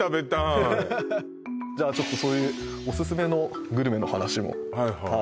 じゃあちょっとそういうオススメのグルメの話もはいはい